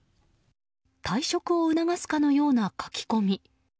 退職を促すかのような書き込み。